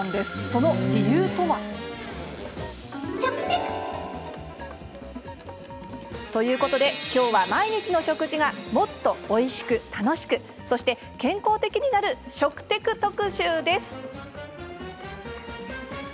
その理由とは。ということで、きょうは毎日の食事がもっとおいしく楽しく、そして健康的になる食テク特集です。